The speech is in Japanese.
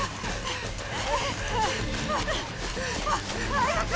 ・早く！